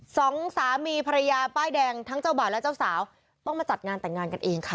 สองสามีภรรยาป้ายแดงทั้งเจ้าบ่าวและเจ้าสาวต้องมาจัดงานแต่งงานกันเองค่ะ